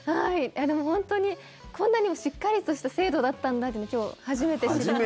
でも、本当にこんなにもしっかりとした制度だったんだというのを今日初めて知りました。